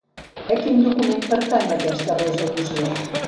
A quin document pertany aquesta resolució?